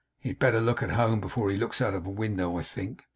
He had better look at home, before he looks out of window, I think?